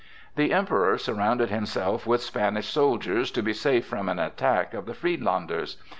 The Emperor surrounded himself with Spanish soldiers to be safe from an attack of the Friedlanders.